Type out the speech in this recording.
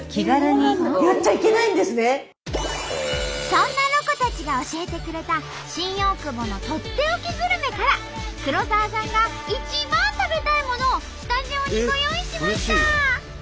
そんなロコたちが教えてくれた新大久保のとっておきグルメから黒沢さんが一番食べたいものをスタジオにご用意しました！